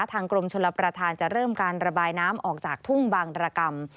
กรมชลประธานจะเริ่มการระบายน้ำออกจากทุ่งบางรกรรม